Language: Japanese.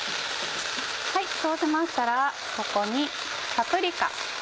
そうしましたらここにパプリカ。